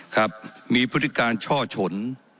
ครับมีพฤติการช่อฉน